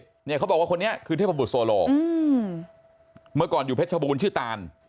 เนี่ยเขาบอกว่าคนนี้คือเทพบุตรโซโลอืมเมื่อก่อนอยู่เพชรบูรณชื่อตาน